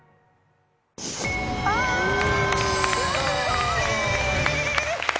あすごい。